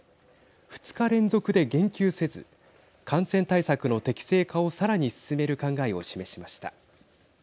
２日連続で言及せず感染対策の適正化をさらに進める考えを示しました。